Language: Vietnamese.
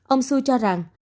ông su cho rằng